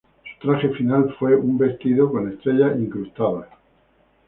Su traje final fue un vestido con estrellas incrustadas.